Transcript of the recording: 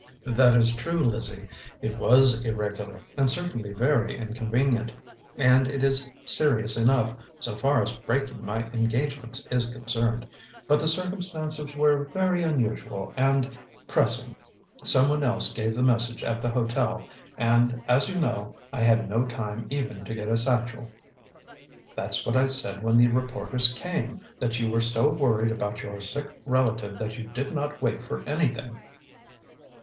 "That is true, Lizzie; it was irregular, and certainly very inconvenient. And it is serious enough, so far as breaking my engagements is concerned. But the circumstances were very unusual and pressing. Some one else gave the message at the hotel, and, as you know, I had no time even to get a satchel." "That's what I said when the reporters came that you were so worried over your sick relative that you did not wait for anything."